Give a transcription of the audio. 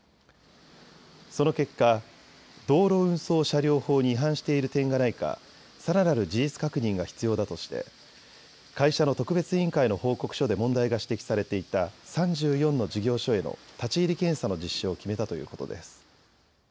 その結果、道路運送車両法に違反している点がないかさらなる事実確認が必要だとして会社の特別委員会の報告書で問題が指摘されていた３４の事業所への立ち入り検査の実施を決めたということです。